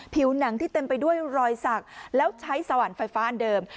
ผิวหนังที่เต็มไปด้วยรอยสักแล้วใช้สวรรค์ไฟฟ้าอันเดิม